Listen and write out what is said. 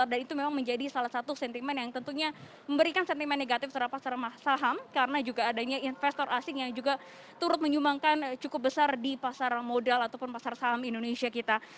dan itu memang menjadi salah satu sentimen yang tentunya memberikan sentimen negatif secara pasar saham karena juga adanya investor asing yang juga turut menyumbangkan cukup besar di pasar modal ataupun pasar saham indonesia kita